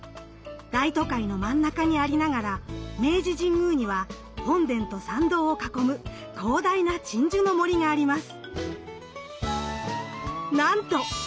大都会の真ん中にありながら明治神宮には本殿と参道を囲む広大な鎮守の森があります。